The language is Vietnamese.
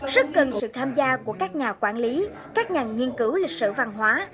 rất cần sự tham gia của các nhà quản lý các nhà nghiên cứu lịch sử văn hóa